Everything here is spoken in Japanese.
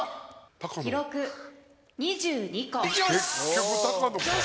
記録２２個よし！